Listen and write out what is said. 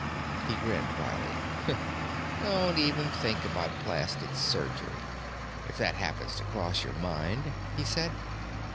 He grinned wryly. "Don't even think about plastic surgery, if that happens to cross your mind," he said.